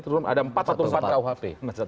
belum ada empat ratus empat belas kuhp